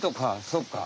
そっか。